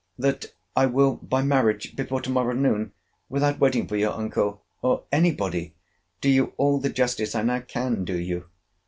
that I will by marriage before to morrow noon, without waiting for your uncle, or any body, do you all the justice I now can do you.